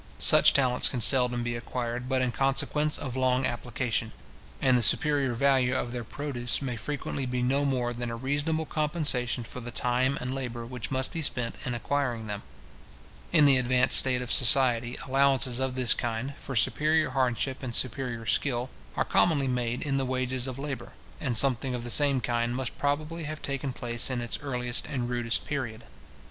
Such talents can seldom be acquired but in consequence of long application, and the superior value of their produce may frequently be no more than a reasonable compensation for the time and labour which must be spent in acquiring them. In the advanced state of society, allowances of this kind, for superior hardship and superior skill, are commonly made in the wages of labour; and something of the same kind must probably have taken place in its earliest and rudest period.